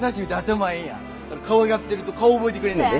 かわいがってると顔覚えてくれんねんで。